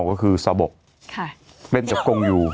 ก็คือสะบกเล่นกับกงอยู่